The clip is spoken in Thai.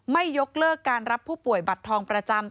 ยกเลิกการรับผู้ป่วยบัตรทองประจำ